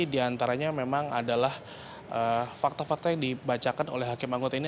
di antaranya memang adalah fakta fakta yang dibacakan oleh hakim anggota ini